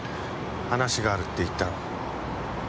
話があるって言ったろ。